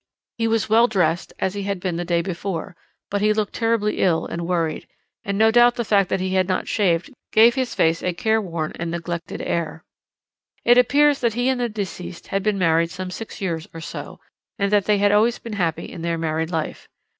He was well dressed, as he had been the day before, but he looked terribly ill and worried, and no doubt the fact that he had not shaved gave his face a careworn and neglected air. "It appears that he and the deceased had been married some six years or so, and that they had always been happy in their married life.